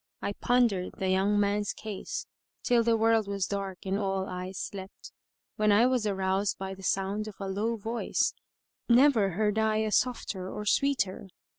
I pondered the young man's case, till the world was dark and all eyes slept, when I was aroused by the sound of a low voice, never heard I a softer or sweeter.